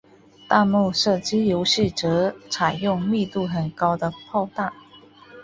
弹幕射击游戏则采用密度很高的炮弹。